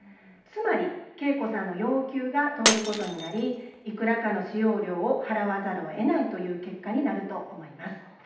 つまり景子さんの要求が通ることになりいくらかの使用料を払わざるをえないという結果になると思います。